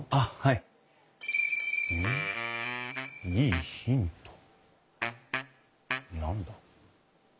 いいヒント何だ？